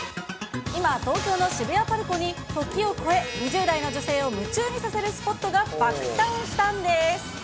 今、東京の渋谷パルコに時を超え、２０代の女性を夢中にさせるスポットが爆誕したんです。